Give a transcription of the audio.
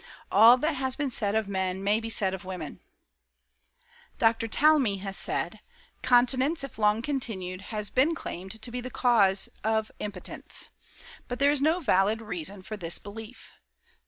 All that has been said of men may be said of women." Dr. Talmey has said: "Continence, if long continued, has been claimed to be the cause of impotence. But there is no valid reason for this belief.